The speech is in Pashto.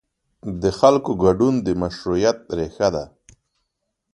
د خلکو ګډون د مشروعیت ریښه ده